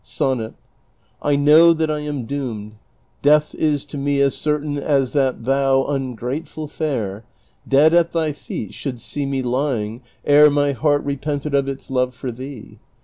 SONNET. I know that I am doomed ; death is to me As certain as that thou, ungrateful fair, Dead at thy feet shouldst see me lying, ere My heart repented of its love for thee.